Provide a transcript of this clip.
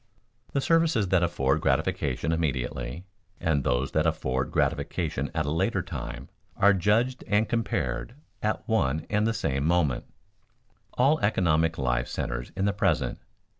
_ The services that afford gratification immediately, and those that afford gratification at a later time, are judged and compared at one and the same moment. All economic life centers in the present.